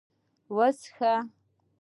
_وڅښه!